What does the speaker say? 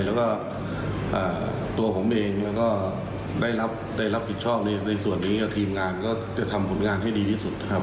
แล้วก็ตัวผมเองก็ได้รับผิดชอบในส่วนนี้กับทีมงานก็จะทำผลงานให้ดีที่สุดนะครับ